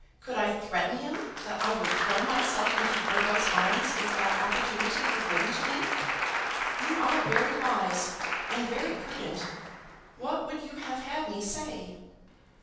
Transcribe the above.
Could I threaten him that I would throw myself into Burgo's arms if that opportunity were given to me? You are very wise, and very prudent. What would you have had me say?"